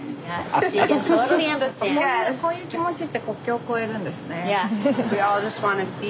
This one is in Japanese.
こういう気持ちって国境を越えるんですねえ。